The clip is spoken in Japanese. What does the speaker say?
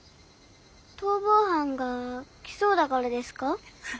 逃亡犯が来そうだからですか？